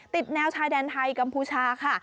แนวชายแดนไทยกัมพูชาค่ะ